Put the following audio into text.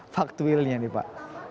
faktuilnya nih pak